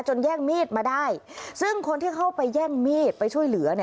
แย่งมีดมาได้ซึ่งคนที่เข้าไปแย่งมีดไปช่วยเหลือ